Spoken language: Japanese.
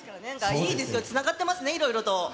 いいですよ、つながってますね、いろいろと。